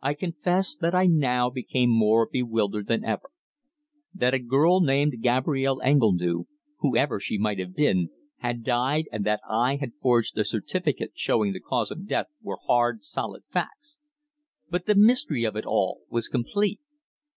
I confess that I now became more bewildered than ever. That a girl named Gabrielle Engledue whoever she might have been had died, and that I had forged a certificate showing the cause of death were hard, solid facts. But the mystery of it all was complete.